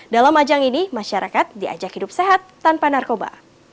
dalam ajang ini masyarakat diajak hidup sehat tanpa narkoba